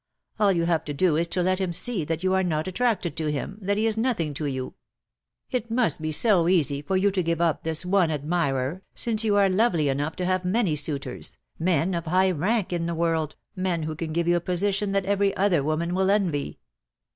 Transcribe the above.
All you have to do is to let him see that you are not attracted by him, that he is nothing to you. It must be so easy for you to give up this 174 DEAD LOVE HAS CHAINS. one admirer, since you are lovely enough to have many suitors, men of high rank in the world, men who can give you a position that every other woman will envy."